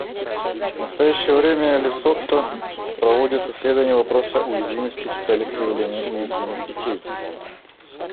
В настоящее время Лесото проводит исследование вопроса уязвимости в целях выявления уязвимых детей.